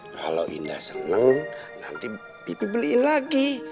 kalau indah seneng nanti pipi beliin lagi